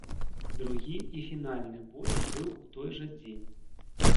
Другі і фінальны бой быў у той жа дзень.